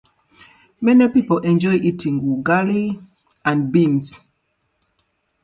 Smith also focused on the unfolding Caprivi High Treason trial.